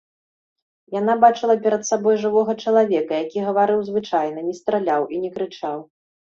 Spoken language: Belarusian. Яна бачыла перад сабой жывога чалавека, які гаварыў звычайна, не страляў і не крычаў.